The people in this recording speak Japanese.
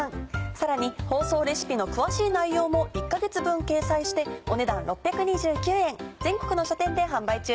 さらに放送レシピの詳しい内容も１か月分掲載してお値段６２９円。